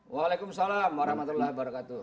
waalaikumsalam warahmatullahi wabarakatuh